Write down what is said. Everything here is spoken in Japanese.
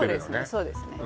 そうですね